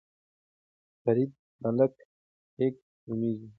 پردی ملک خیګ نومېږي.